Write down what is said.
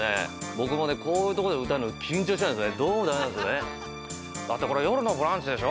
僕もねこういうところで歌うの緊張しちゃうんですねどうもダメなんですねだってこれ「よるのブランチ」でしょ